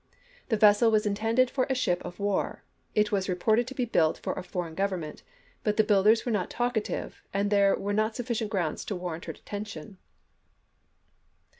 The vessel was intended for a ship of war ; it was reported to be built for a foreign government; but the builders were not talkative, and there were not sufficient grounds to warrant her detention.